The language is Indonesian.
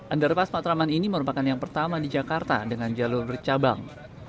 underpass matraman ini merupakan yang pertama di jakarta dengan jalur bercabang